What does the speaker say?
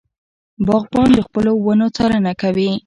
باغبان د خپلو ونو څارنه کوي.